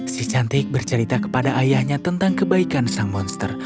si cantik bercerita kepada ayahnya tentang kebaikan sang monster